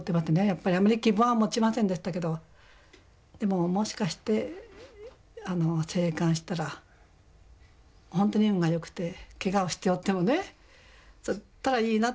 やっぱりあまり希望は持ちませんでしたけどでももしかして生還したら本当に運がよくてケガをしておってもねそしたらいいなと思いましたね。